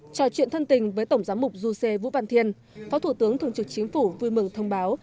trò chuyện thân tình với tổng giám mục du sê vũ văn thiên phó thủ tướng thường trực chính phủ vui mừng thông báo